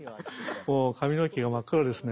髪の毛が真っ黒ですね。